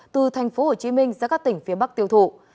từ tp hcm ra các tỉnh phía bắc tiêu thụ